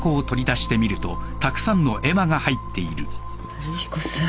春彦さん。